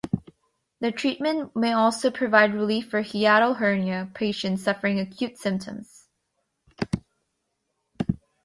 The treatment may also provide relief for hiatal hernia patients suffering acute symptoms.